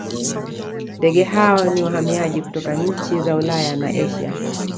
ndeege hao ni wahamiaji kutoka nchi za ulaya na asia